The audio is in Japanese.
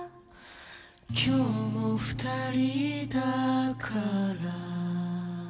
「今日も２人だから」